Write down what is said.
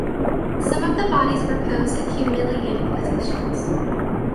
Some of the bodies were posed in humiliating positions.